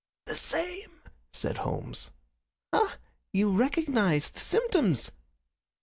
"The same," said Holmes. "Ah! You recognize the symptoms?"